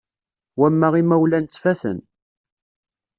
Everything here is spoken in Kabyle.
Wamma imawlan ttfaten.